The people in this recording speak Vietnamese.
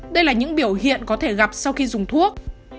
đây là những biểu hiện có thể gặp sau khi dùng thuốc